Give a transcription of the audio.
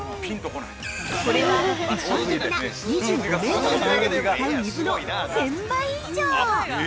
これは、一般的な２５メートルプールに使う水の１０００倍以上。